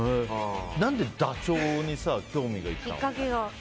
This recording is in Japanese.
何でダチョウに興味がいったの？